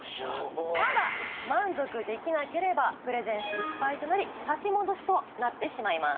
ただ満足できなければプレゼン失敗となり差し戻しとなってしまいます。